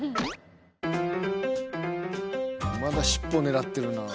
「まだ尻尾を狙ってるな」